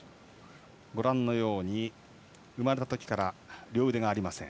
山田選手は生まれたときから両腕がありません。